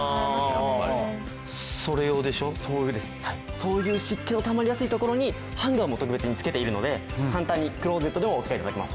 そういう湿気のたまりやすい所にハンガーも特別に付けているので簡単にクローゼットでもお使い頂けます。